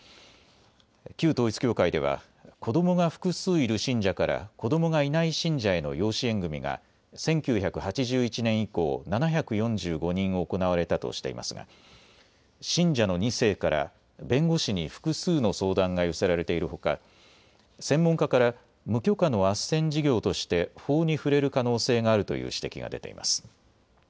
旧統一教会では子どもが複数いる信者から子どもがいない信者への養子縁組みが１９８１年以降、７４５人行われたとしていますが信者の２世から弁護士に複数の相談が寄せられているほか専門家から無許可のあっせん事業として法に触れる可能性があるという指摘が出ています。